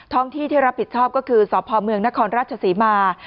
ห้องที่ที่รับผิดชอบก็คือสพเมืองนครราชศรีมา